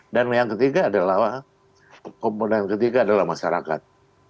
dan yang ketiga adalah komponen ketiga adalah masyarakat